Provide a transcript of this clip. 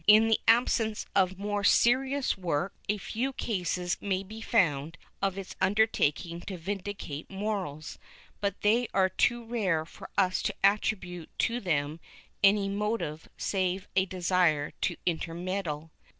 In the absence of more serious work a few cases may be found of its undertaking to vindicate morals, but they are too rare for us to attribute to them any motive save a desire to intermeddle.